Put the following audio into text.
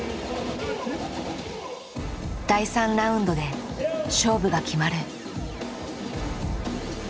第３ラウンドで勝負が決まる。